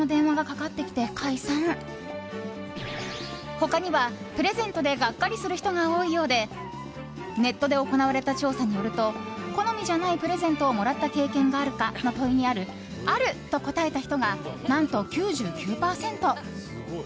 他には、プレゼントでガッカリする人が多いようでネットで行われた調査によると好みじゃないプレゼントをもらった経験があるかという問いにあると答えた人が、何と９９％。